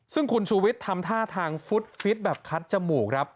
ซึ่งคุณชูวิทย์ทำท่าทางฟุตฟิตแบบคัดจมูกครับ